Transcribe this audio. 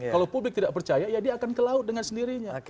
kalau publik tidak percaya ya dia akan ke laut dengan sendirinya